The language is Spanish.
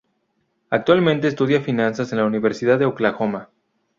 Actualmente estudia finanzas en la Universidad de Oklahoma.